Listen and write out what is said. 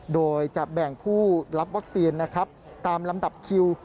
โดยจะแบ่งผู้รับวัคซีนนะครับตามลำดับคิว